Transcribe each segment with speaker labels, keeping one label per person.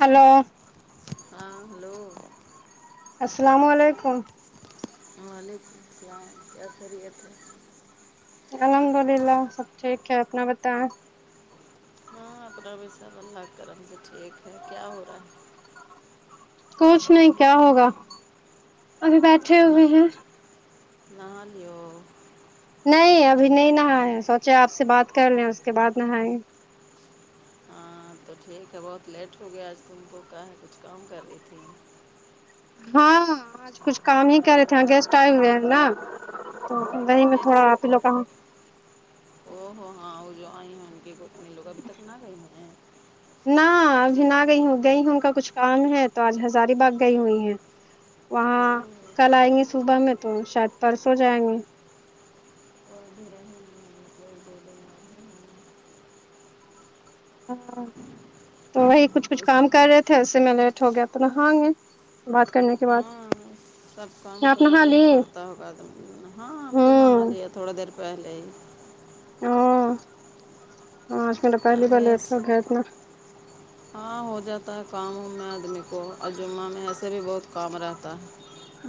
Speaker 1: Hello
Speaker 2: ہاں hello
Speaker 1: السلام علیکم
Speaker 2: وعلیکم السلام کیا خریت ہے
Speaker 1: الحمد للہ سب ٹھیک ہے اپنا بتائیں
Speaker 2: ہاں اپنا بھی صحب اللہ کرم سے ٹھیک ہے کیا ہو رہا ہے
Speaker 1: کوچھ نہیں کیا ہوگا ابھی بیٹھے ہوئے
Speaker 2: [inaudible]
Speaker 1: ہیں
Speaker 2: [unintelligible]
Speaker 1: نہیں ابھی نہیں نہاائے سوچے آپ سے بات کر لیں اس کے بعد نہائے
Speaker 2: ہاں تو ٹھیک ہے بہت لیٹ ہو گیا آج تم کو کہ ہے کچھ کام کر دی تھی
Speaker 1: ہاں آج کچھ کام ہی کر رہے تھے گیسٹ آئے ہوئے ہیں نا تو دی میں
Speaker 2: پھر
Speaker 1: تھوڑا
Speaker 2: سے
Speaker 1: پیلو کہوں
Speaker 2: او ہو ہاں وہ جو آئی ہیں ان کی لوگ ابھی تک نہ گئی میں
Speaker 1: نہ ابھی نہ گئی ہوں گئی ہوں ان کا کچھ کام ہے تو آج ہزاری باغ گئی ہوئی ہیں وہاں کل آئیں گے صبح میں تو شاید پرسوں جائیں گے ہاں تو وہی کچھ کچھ
Speaker 2: اس
Speaker 1: کام کر رہے تھے اسس میں لیٹ ہو گیا تو نہ گے بات کرنے کے بعد
Speaker 2: تب کام تو
Speaker 1: آپ نہا
Speaker 2: کرے ہی
Speaker 1: لی
Speaker 2: پڑتا ہوگا آدمی ہاں ہم تو نہا
Speaker 1: ہوں
Speaker 2: لیا تھوڑا دیر پہلے ہی اب
Speaker 1: [unintelligible]
Speaker 2: ہاں ہو جاتا ہے کام ہوں میں آدمی کو اور جمعہ میں ایسے بھی بہت کام رہتا ہے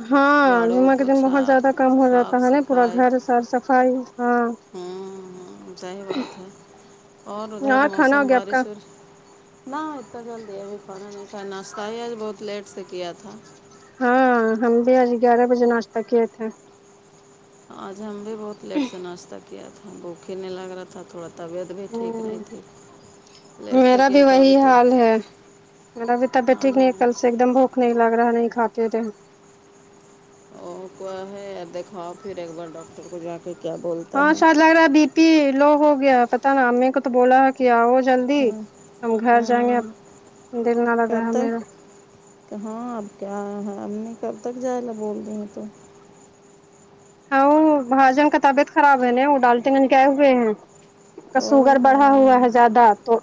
Speaker 1: ہاں
Speaker 2: جھاڑو
Speaker 1: جما کے دن
Speaker 2: پوچھا
Speaker 1: بہت زیادہ کم ہو جاتا
Speaker 2: صاف
Speaker 1: ہے نا پورا گھر صاف صفائی ہاں
Speaker 2: ہمم صحیح بات ہے اور ادھر
Speaker 1: ہاں کھانا ہو
Speaker 2: موسم
Speaker 1: گیا آپ کا
Speaker 2: بارش اور نہ اتنا جلدی ابھی پڑھا نہیں تھا ناشتہ ہیج بہت لیٹ سے کیا تھا
Speaker 1: ہاں ہم بھی آج گیارہ بجے ناچتا کےئے تھے
Speaker 2: آج ہم بھی بہت لیٹ سے ناشتہ کیا تھا بھوک ہی نہیں لگ رہا تھا تھوڑا طبیعت بھی ٹھیک نہیں تھی لیٹ سے
Speaker 1: میرا
Speaker 2: کیا
Speaker 1: بھی
Speaker 2: تو ابھی
Speaker 1: وہی
Speaker 2: تو
Speaker 1: حال ہے میرا بھی طبیعت ٹھیک نہیں کل سے ایک دم بھوک نہیں لگ رہا نہیں کھاتے رہے
Speaker 2: اور کوا ہے یا دکھاؤ پھر ایک بار ڈاکٹر کو جا کے پھر کیا بول
Speaker 1: ہاں شاید لگ رہا بی پی لو ہو گیا پتا نا امی کو تو بولا ہے کیا ہو جلد ی
Speaker 2: ہوں
Speaker 1: ہم گھر
Speaker 2: ہاں
Speaker 1: جائیں گے
Speaker 2: ہاں
Speaker 1: اب دل نہ لگ
Speaker 2: کب
Speaker 1: رہا ہمیںا
Speaker 2: تک کہ ہاں اپ کیا ہے ا نے کب تک جائے لا بول رہی ہیں تو
Speaker 1: ہاں وہ بھائی جان کا طبیعت خراب ہے نا وہ ڈالتے ہیں کیا ہوئے ہیں کا
Speaker 2: او
Speaker 1: سوگر بڑھا ہوا
Speaker 2: ہو
Speaker 1: ہے زیادہ تو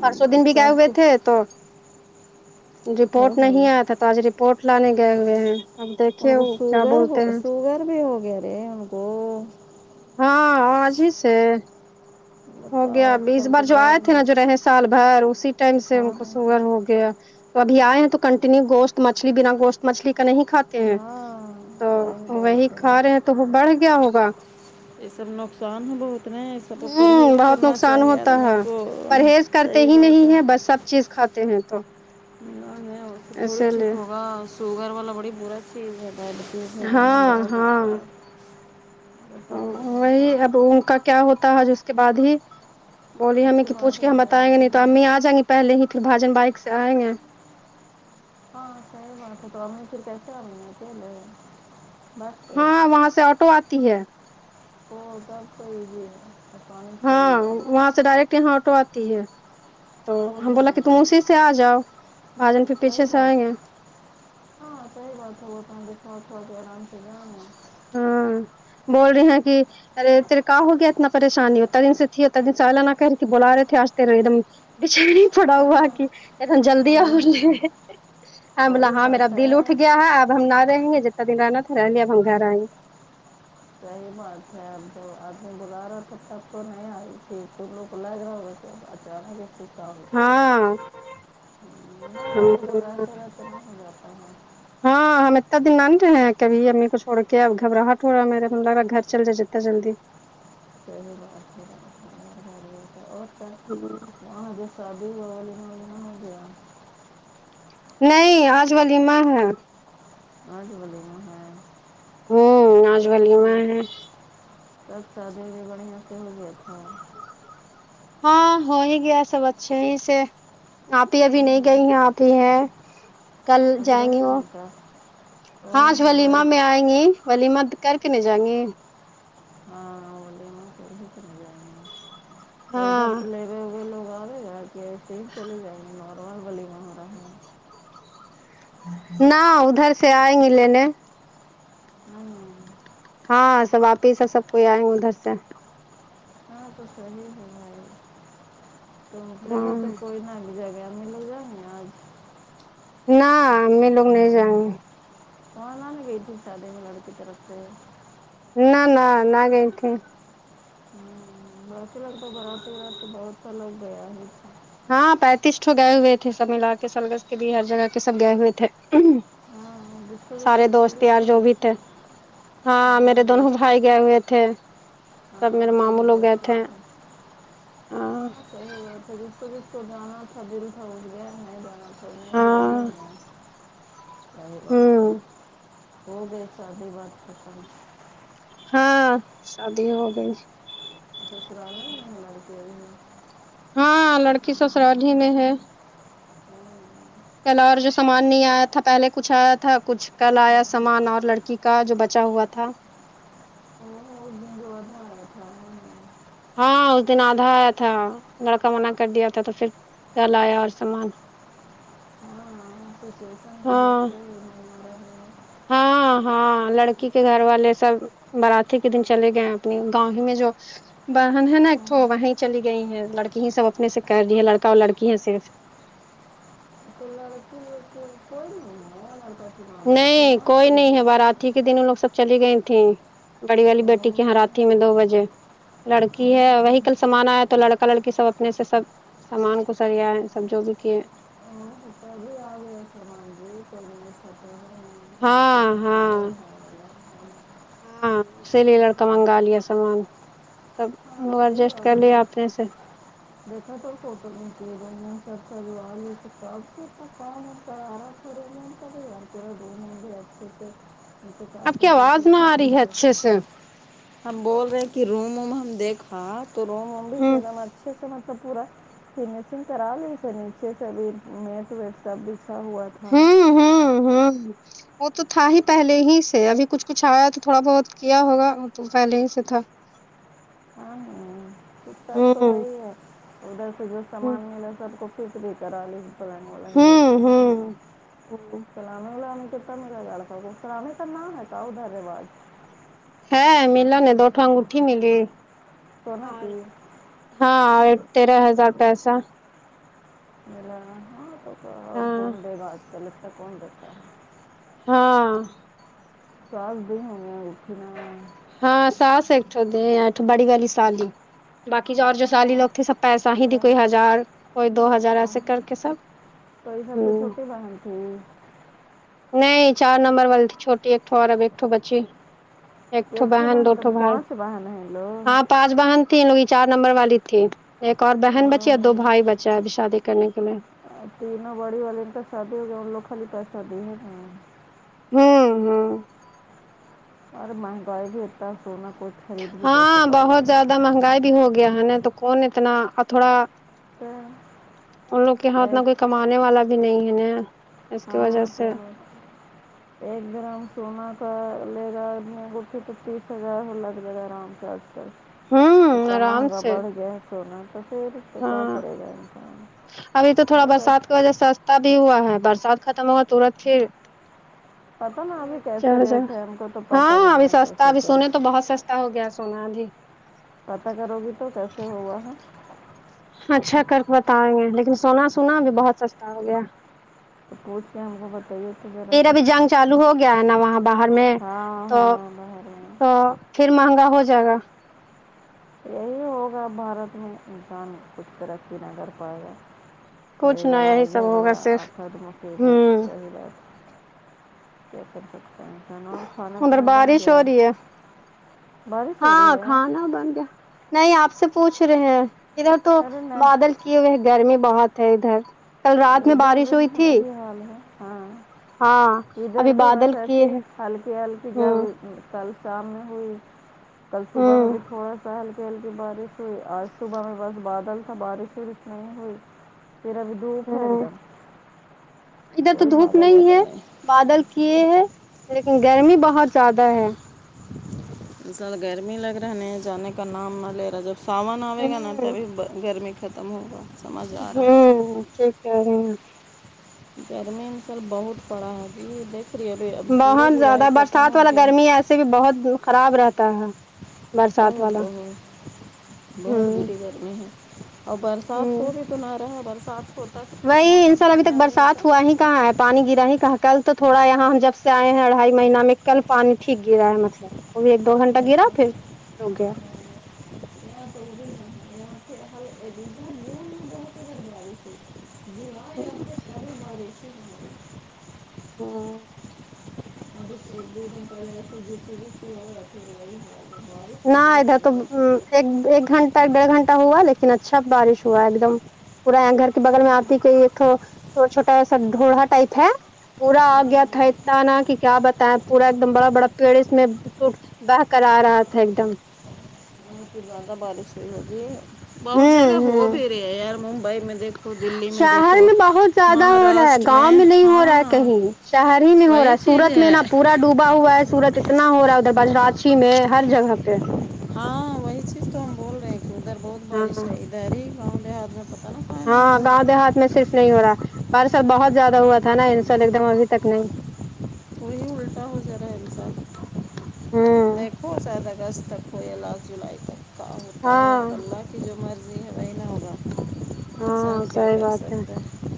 Speaker 1: پرسوں دن بھی گئے
Speaker 2: سب
Speaker 1: ہوئے
Speaker 2: کو
Speaker 1: تھے تو رپورٹ
Speaker 2: او ہو
Speaker 1: نہیں آیا تھا تو آج رپورٹ لانے گئے ہوئے ہیں اب دیکھیے وہ کیا بولتے ہیں
Speaker 2: سب بھی ہو گیا رے ان کو
Speaker 1: ہاں آج ہی سے ہو
Speaker 2: بتاؤ
Speaker 1: گیا
Speaker 2: آج
Speaker 1: اب اس
Speaker 2: کل کے
Speaker 1: بار جو آئے
Speaker 2: دور
Speaker 1: تھے نا
Speaker 2: میں
Speaker 1: جو رہے سال بھر اسی ٹائم سے ان
Speaker 2: ہاں
Speaker 1: کو
Speaker 2: ہاں
Speaker 1: سگر ہو گیا تو ابھی آئے نا تو کنٹینیو گوشت مچھلی بنا گوشت مچھلی کا نہیں کھاتا ہیں
Speaker 2: ہاں
Speaker 1: تو وہی
Speaker 2: بات ہے
Speaker 1: کھا رہے ہیں تو وہ بڑھ گیا ہوگا
Speaker 2: یہ سب نقصان ہے بہت اتنے سب کو
Speaker 1: ہوں
Speaker 2: پرہیز
Speaker 1: بہت
Speaker 2: کرنا
Speaker 1: نقصان
Speaker 2: چاہیے
Speaker 1: ہوتا
Speaker 2: آدمی
Speaker 1: ہے
Speaker 2: کو
Speaker 1: پرہیز کرتے
Speaker 2: صحیح
Speaker 1: ہی
Speaker 2: بات
Speaker 1: نہیں
Speaker 2: ہے
Speaker 1: بس سب چیز کھاتے ہیں تو
Speaker 2: تو تھوڑی
Speaker 1: اسی
Speaker 2: ٹھیک
Speaker 1: لیے
Speaker 2: ہوگا شوگر والا بڑی برا چیز ہے بڈ دیر میں جانا
Speaker 1: ہاں
Speaker 2: بڑا
Speaker 1: ہاں
Speaker 2: دچتا ہے
Speaker 1: وہی اب ان کا کیا ہوتا ہے ج اس کے بعد ہی بولی
Speaker 2: اس
Speaker 1: ہممی کی پوھ
Speaker 2: بعد
Speaker 1: کے ہم بتائیں گے نہیں تو امی آ جائیں گی پہل ہی پھر بھجن بائک سے آئیں گے
Speaker 2: ہاں صحیح بات ہے تو امی پھر کیسا [unintelligible] ے
Speaker 1: ہاں وہاں سے آٹو آتی ہے
Speaker 2: ہو سب ہوحی ہے
Speaker 1: ہاں وہاں سے ڈائریکٹ یہاں آٹو آتی ہے تو ہم بولا کہ تم اسی سے آ جاؤ بھاجن پھر
Speaker 2: صحیح
Speaker 1: پیچھے سے آئیں
Speaker 2: بات
Speaker 1: گے
Speaker 2: ہے ہاں صحیح بات ہے وہ تو سات آرام سے
Speaker 1: ہاں بول رہی ہیں کہ ارے تیرے کہ ہو گیا اتنا پریشانی اتتا دن سے تھی اتنا دن سالانہ کہ کے بلا رہے تھے آج تیرے ایک دم [inaudible] پڑا ہوا
Speaker 2: ہاں
Speaker 1: کہ اتن جلدی
Speaker 2: وہی
Speaker 1: آؤے بولا
Speaker 2: وہی
Speaker 1: ہاں میرا
Speaker 2: بات
Speaker 1: دل اٹھ
Speaker 2: ہے
Speaker 1: گیا ہے اب ہم نہ رہیں گے جتنا دن رہنا تھا رہے اب ہم گھر آئیں گے
Speaker 2: صحیح بات ہے اب تو آدمی بلا رہا تھا تب تو نہیں آئی تھی تم لوگ لے جاؤ گے
Speaker 1: ہاں
Speaker 2: [unintelligible] نہ آدمی کو رہتے رہتے کا ہوتا
Speaker 1: ہاں ہم اتنا دن نہ رہے ہیں کبھی امی کو چھڑ کے اب گھبراہٹ ہو رہا ہے میرے م لگ رہا گھر چل جائے اتنا جلدی
Speaker 2: صحیح بات ہے ج اور س
Speaker 1: ا [unintelligible]
Speaker 2: وہاں جو شادی ہوگ لین والین ہو گیا
Speaker 1: نہیں آج ولیمہ ہے
Speaker 2: آج ولیمہ ہے
Speaker 1: ہوں آج
Speaker 2: تو
Speaker 1: ولیمہ ہے
Speaker 2: سب سادی بڑھیا سے ہو گیا تھا
Speaker 1: ہاں ہو ہی گیا سب اچھے ہی سے آپ ہی ابھی
Speaker 2: ہے
Speaker 1: نہیں
Speaker 2: نا
Speaker 1: گئی ہیں آپ ہی ہیں کل
Speaker 2: اب
Speaker 1: جائیں گے
Speaker 2: رہے
Speaker 1: وہ
Speaker 2: گی کا
Speaker 1: ہاں
Speaker 2: اوہ
Speaker 1: ولیما میں
Speaker 2: لڑکی
Speaker 1: آئیں گے ولیمہ کر کے نہیں جائیں گی
Speaker 2: ہاں ولیمہ کرکے جائیں گے تو ادھر
Speaker 1: ہاں
Speaker 2: سے لے لوگ آ رہے ہیں کی ایسے ہی چلیے جائے گے نارمل ولیمہ ہو رہا ہے
Speaker 1: نہ ادھر سے آئیں گی لینے
Speaker 2: [inaudible]
Speaker 1: ہاں سب آپی ہیس سب کوئی آئے گے ادھر سے
Speaker 2: ہاں تو صحیح ہے تم اترے
Speaker 1: ہاں
Speaker 2: گھر سے کوئی نہ جگہ ملے جائیں آج
Speaker 1: نہ میں لوگ نہیں جائیں گے
Speaker 2: [unintelligible]
Speaker 1: نہ نہ نہ گئی تھیں
Speaker 2: برق لگتا برات برات بہت سا لو گیا ہے
Speaker 1: ہاں پینتیسٹو گئے ہوئے تھے سب ملا کے سلگز کے بھی ہر جگہ کے سب گئے ہوئے تھے
Speaker 2: ہاں جس کو جس
Speaker 1: سارے
Speaker 2: کو
Speaker 1: دوست
Speaker 2: بولو
Speaker 1: یار جو
Speaker 2: چلو
Speaker 1: بھی تھے ہاں میرے دونوں بھائی گئے ہوئے تھے سب میرے
Speaker 2: ہاں تو
Speaker 1: ماموں لوگ گئے
Speaker 2: دیکھا
Speaker 1: تھے
Speaker 2: تھا
Speaker 1: ہاں
Speaker 2: صحیح بات جس کو جانا تھا دل تھا وہ گیا ناں تو بیا
Speaker 1: ہاں
Speaker 2: ہو بات
Speaker 1: ہوں
Speaker 2: ہو گئی سادی بات ختم
Speaker 1: ہاں شادی ہوگئی
Speaker 2: سسرال کے
Speaker 1: ہاں لڑکی سب سسرال ہی میں ہے
Speaker 2: ہوں
Speaker 1: کل اور جو سامان نہیں آیا تھا پہلے کچھ آیا تھا کچھ کل
Speaker 2: میں
Speaker 1: آیا سامان اور لڑکی کا جو بچا ہوا تھا
Speaker 2: [unintelligible] [unintelligible]
Speaker 1: ہاں اس دن آدھا آیا تھا لڑکا منع کر دیا تھا تو پھر کیا لایا اور سامان ہاں
Speaker 2: [unintelligible] ہے
Speaker 1: ہاں ہاں لڑکی کے گھر والے سب باراتی کے دن چلے گئے ہیں اپنی گاؤں ہی میں جو بن ہے نا ایک تو
Speaker 2: ہاں
Speaker 1: وہیں چلی گئی ہے لڑکی ہی سب اپنے سے کر رہی ہے لڑکا اور لڑکی ہے صرف
Speaker 2: [unintelligible] بہن سب
Speaker 1: نہیں
Speaker 2: وہاں
Speaker 1: کوئی
Speaker 2: چلے
Speaker 1: نہیں ہے بارات ہی
Speaker 2: گئے
Speaker 1: کے دن وہ لوگ سب چلی گئی تھیں بڑی والی بیٹی کے یہاں راتھی میں دو بجے لڑکی ہے وہی کل سامان آ ہے تو لڑکا لڑکی سب اپنے سے سب سامان کو سریا ہے سب جو بھی کیے ہیں
Speaker 2: [unintelligible]
Speaker 1: ہاں
Speaker 2: کا
Speaker 1: ہاں
Speaker 2: فائدہ اٹھایا گیا
Speaker 1: ہاں اسی لیے لڑکا منگا لیا سامان سب
Speaker 2: ہاں صحیح ہے
Speaker 1: ایڈجسٹ کر
Speaker 2: اگر
Speaker 1: لیا
Speaker 2: دیکھ
Speaker 1: آپے سے
Speaker 2: [unintelligible] [unintelligible]
Speaker 1: آپ کی
Speaker 2: کارپیٹ
Speaker 1: آواز
Speaker 2: وارپیٹ
Speaker 1: نہ
Speaker 2: کر
Speaker 1: آ
Speaker 2: دو
Speaker 1: رہی ہے
Speaker 2: سر
Speaker 1: اچھے سے
Speaker 2: ہم بول رہے ہیں کہ روم ووم ہم دیکھوا تو روم ووم بھی تو
Speaker 1: ہوں
Speaker 2: ایک دم اچھے سے پورا فنشنگ کرالیے شاید نیچے سے بھی نیٹ ویٹ سب ہوا تھا ہاں
Speaker 1: ہوں ہوں ہوں وہ تو تھا ہی پہلے ہی سے ابھی کچھ کچھ آیا تو تھوڑا بہت کیا ہوگا وہ تو پہلے ہی سے تھا
Speaker 2: ہاں سب
Speaker 1: ہوں
Speaker 2: تو ہے ہی ہے ادھر سے جو
Speaker 1: ہوں
Speaker 2: سامان ملا سب کو فٹ بھی کرا لی پلنگ ولنگ جو
Speaker 1: ہوں
Speaker 2: تھا
Speaker 1: ہوں ہوں۔
Speaker 2: سلام وانامتا میرا گال سگ سلاانے تو نہ ہے کیاا ادھر رواج [unintelligible]
Speaker 1: ہاں میل نہیں دوٹاگ اٹھی ملیے
Speaker 2: سونا کی
Speaker 1: [unintelligible] ہاں تیرہ ہزار پیسہ ہاں
Speaker 2: کون دیگا اج کل اتنا کون دیگا
Speaker 1: ہاں
Speaker 2: ساس [unintelligible]
Speaker 1: ہاں ساس ایکٹھ ہو دٹ بڑی والی سالی باقی جو اور جو سالی
Speaker 2: ہاں،
Speaker 1: لوگ تھے سب پیسہ ہی دی
Speaker 2: ہاں،
Speaker 1: کوئی ہزار کوئی دو ہزار ایسے کر کے سب
Speaker 2: توئی سب سے
Speaker 1: ہوں
Speaker 2: چھوٹی بہن تھی
Speaker 1: نہیں چار نمبر والی تھی چھوٹی ایکٹھو اور ایکٹو بچی ایکٹو
Speaker 2: ایک تو
Speaker 1: بہن
Speaker 2: تو
Speaker 1: دوٹو بھائی
Speaker 2: پانچ بہن ہیں ان
Speaker 1: ہاں
Speaker 2: لوگ
Speaker 1: پانچ بہن تھی ہوئی چار نمبر والی تھی ایک اور بہن بچی اور
Speaker 2: اوہ،
Speaker 1: دو بھائی بچے شید شادی کرنے کے لیے
Speaker 2: تینوں بڑی والے تو شادی ہوگیا ان لوگ خالی پیسادی ہے نا
Speaker 1: ہوں ہوں
Speaker 2: اور مہنگائی بھی ہوتا ہے سونا کو
Speaker 1: ہاں بہت زیادہ مہنگائی بھی ہو گیا ہے نا تو کون اتنا تھوڑا
Speaker 2: تو
Speaker 1: ان لوگ کے یہاں اتنا
Speaker 2: ایک
Speaker 1: کوئی کمانے والا بھی نہیں ہے نا اس کی وجہ
Speaker 2: ہاں
Speaker 1: سے
Speaker 2: تو ایک گرام سونا کا لے گا پھر تو تیس ہزار لگ جائے گا آرام سے اج کل
Speaker 1: ہوں
Speaker 2: کتہ
Speaker 1: آرام
Speaker 2: مہنگا
Speaker 1: سے
Speaker 2: بڑھ گیا سونا تو پھر تو کا
Speaker 1: ہاں
Speaker 2: کرے گا انسان کون ساس
Speaker 1: [unintelligible] تا بھی ہوا ہے برسات ختم ہوا ترت پھر
Speaker 2: پتہ نا ابھی
Speaker 1: اچھا
Speaker 2: کیسے
Speaker 1: اھا
Speaker 2: ریٹ ہے ہم کو تو پتہ
Speaker 1: ہاں
Speaker 2: بھی
Speaker 1: ابھی
Speaker 2: نہیں
Speaker 1: سستا
Speaker 2: کیسے
Speaker 1: ابھی
Speaker 2: چل
Speaker 1: سنے تو بہت سستا ہو گیا سونا ابھی
Speaker 2: پتا کرو گی تو کیسے ہوا ہے
Speaker 1: اچھا کر کے بتائیں گے لیکن سونا سونا ابھی بہت سستا ہو گیا
Speaker 2: تو پوچھ کے ہم کو بتائیے تو ذرا
Speaker 1: پھر
Speaker 2: سا
Speaker 1: ابھی جنگ چالو ہو گیا ہے نا وہاں باہر میں
Speaker 2: ہاں
Speaker 1: تو
Speaker 2: ہاں باہر میں
Speaker 1: تو پھر مہنگا ہو جائے گا
Speaker 2: یہی ہوگا بھارت میں انسان کچھ ترقی نہ کر پائے گا وہی
Speaker 1: کچھ نہ یہی
Speaker 2: لڑائی
Speaker 1: سب
Speaker 2: جھگڑا
Speaker 1: ہوگا صرف
Speaker 2: افت
Speaker 1: ہوں
Speaker 2: مصیبت یہی رہے کیا کر سکتے ہیں اور کھانا
Speaker 1: ادھر
Speaker 2: پینا بن
Speaker 1: بارش ہو
Speaker 2: گیا
Speaker 1: رہی ہے
Speaker 2: بارش ہو رہی
Speaker 1: ہاں
Speaker 2: ہے
Speaker 1: کھانا بن گیا نہیں آپ سے پوچھ رہے ہیں ادھر تو
Speaker 2: ارے نہیں
Speaker 1: بادل کیے ہوئے گرمی بہت ہے ادھر کل رات میں
Speaker 2: ادھر بھی
Speaker 1: بارش ہوئی تھی
Speaker 2: وہی حال ہے ہاں
Speaker 1: ہاں
Speaker 2: ادھر
Speaker 1: ابھی
Speaker 2: بھی
Speaker 1: بادل
Speaker 2: بس
Speaker 1: کیے
Speaker 2: ایسی
Speaker 1: ہیں
Speaker 2: ہلکی ہلکی جب
Speaker 1: ہوں
Speaker 2: کل شام میں ہوئی کل صبح میں
Speaker 1: ہوں
Speaker 2: بھی تھوڑا سا ہل ہلکی بارش ہوئی آج صبح میں بس بادل تھا بارش وارش نہیں ہوئی پھر ابھی دھوپ ہے ایک
Speaker 1: ہمم
Speaker 2: دم
Speaker 1: ادھر تو
Speaker 2: کوئی
Speaker 1: دھوپ
Speaker 2: بادل
Speaker 1: نہیں
Speaker 2: وادل
Speaker 1: ہے بادل کیے ہیں لیکن گرمی بہت زیادہ ہے
Speaker 2: اس سال گرمی لگ رہا نہیں جانے کا نام نہ لے رہا جب ساون آوے گا نا
Speaker 1: ہوں
Speaker 2: تبھی گرمی ختم ہوگا سمجھ آ رہا ہے
Speaker 1: ہمم ٹھیک کر رہی ہیں
Speaker 2: گرمی ان کل بہت پڑا ہے ابھی دیکھ رہی ہے ابھی اب پورا جولائی ختم ہو گیا
Speaker 1: سے بھی بہت دن خراب رہتا ہے برسات
Speaker 2: بہت
Speaker 1: والا
Speaker 2: بہت بہت
Speaker 1: ہوں
Speaker 2: بری گرمی ہے اور برسات کو
Speaker 1: ہوں
Speaker 2: بھی تونا رہا برسات کو
Speaker 1: وہی ان شاء اللہ ابھی تک برسات ہوا ہی کہاں ہے پانی گرا ہی کہاں کل تو تھوڑا یہاں ہم جب سے آئے ہیں اڑھائی مہیینہ میں کل پانی ٹھیک گرا ہے مطلب وہ بھی ایک دو گھنٹہ گرا پھر رک گیا
Speaker 2: [inaudible] [inaudible]
Speaker 1: ہاں
Speaker 2: [inaudible]
Speaker 1: نہ ادھر تو ایک ایک گھنٹہ ڈیڑھ گھنٹہ ہوا لیکن اچھا بارش ہوا ایک دم پورا یہاں گھر کے بغل میں آپ کے کوئی ایک چھوٹا سا ڈھوڑا ٹائپ ہے پورا آگیا تھا اتتا نا کی کیا بتا ئیں یں پورا ایک دم بڑا بڑا پیڑ اس میں بہے کر آ رہا تھا ایک دم
Speaker 2: بہت ہی زیادہ بارش ہوئی ہوگی بہت جگہ
Speaker 1: ہوں
Speaker 2: ہو
Speaker 1: ہوں
Speaker 2: بھی رہی ہے یار ممبئی میں دیکھ
Speaker 1: شہر میں بہت زیادہ ہو رہا ہے
Speaker 2: مہاراشٹر
Speaker 1: گاؤں میں نہیں ہو رہا ہے
Speaker 2: ہاں
Speaker 1: کہیں شہر ہی میں ہو رہا
Speaker 2: وہی
Speaker 1: ہے
Speaker 2: چیز
Speaker 1: سورت میں
Speaker 2: ہے
Speaker 1: نہ پورا ڈوبا ہوا ہے سورت اتنا ہو رہا ہے ادھر بجراچی میں ہر جگہ پے
Speaker 2: ہاں وہی چیز تو ہم بول رہے ہیں کی ادھر بہت بارش
Speaker 1: ہاں
Speaker 2: ہے ادھر ہی میں پتہ نا
Speaker 1: ہاں گاؤں دیہات میں صرف نہیں ہو رہا پر سال بہت زیادہ ہوا تھا نہ ان سال ایک دم ابھی تک نہیں
Speaker 2: وہی الٹا ہو جا رہا ہے انسان
Speaker 1: ہوں
Speaker 2: دیکھو ساید اگست تک ہویا لاسٹ جولائی تک کا ہوتا ہے
Speaker 1: ہاں
Speaker 2: اب اللہ کی جو مرضی ہے وہی نہ ہوگا انسان
Speaker 1: ہاں
Speaker 2: کیا
Speaker 1: صحیح
Speaker 2: کر
Speaker 1: بات
Speaker 2: سکتا ہے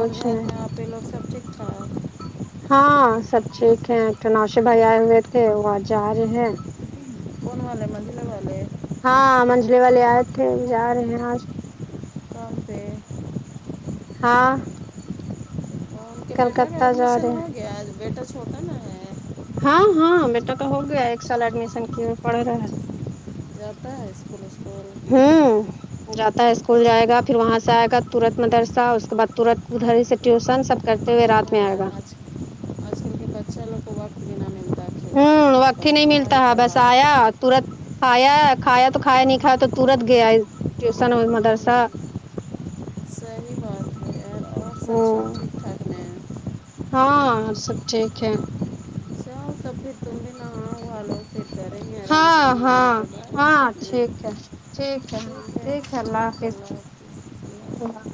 Speaker 2: اور گھر
Speaker 1: نہیں
Speaker 2: میں آپ پے لوگ سب ٹھیک ٹھاک
Speaker 1: ہاں سب ٹھیک ہیں تو نوشے بھا ئی آۓ ہوئے تھے وہ آ ج جا رہے ہیں
Speaker 2: کون والے منجلیں والے
Speaker 1: ہاں منجلے والے آئے تھے وہ جا رہے ہیں آج
Speaker 2: تون پے
Speaker 1: ہاں
Speaker 2: ان کے بیٹا کا
Speaker 1: کلکتہ جا
Speaker 2: ایڈمیشن
Speaker 1: رہے ہیں
Speaker 2: ہو گیا بیٹا چھوٹا نہ ہے
Speaker 1: ہاں ہاں بیٹا تو ہو گیا ایک سال ایڈمیشن کی ہوئے پڑھے رہے
Speaker 2: جیاتا ہیں ہے اسکول اسکول
Speaker 1: ہوں جاتا ہے اسکول
Speaker 2: تک۔
Speaker 1: جائے گا پھر وہاں سے آئے گا تورنت مدرسہ اس کے بعد تورنت ادھر سے ٹیوشن سب کرتے ہوئے رات
Speaker 2: ہاں
Speaker 1: میں آئے گا
Speaker 2: اچھا لگا
Speaker 1: ہمم وقت ہی نہیں ملتا
Speaker 2: پڑھائی
Speaker 1: ہے بس
Speaker 2: پڑھائی
Speaker 1: آیا تورنت کھایا کھایا تو کھایا نہیں کھیا تو تورنت گیا ٹیوشن مدرسہ
Speaker 2: ہاں صحیح بات ہے ہے اور سب سے
Speaker 1: ہوں
Speaker 2: ٹھیک ٹھاک نہیں ہے
Speaker 1: ہاں سب ٹھیک ہے
Speaker 2: ہاں سبھی تم بھی نہاؤ بھلو پھر کریں گے آرام سے
Speaker 1: ہاں
Speaker 2: وہاں
Speaker 1: ہاں
Speaker 2: وہاں کے بعد ٹھیک ہے ٹھیک ٹھیک ہے ٹھیک ہے اللہ حافظ
Speaker 1: اللہ